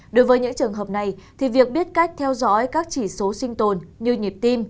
đối với những trường hợp này thì việc biết cách theo dõi các chỉ số sinh tồn như nhịp tim